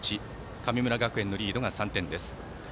神村学園のリードが３点です。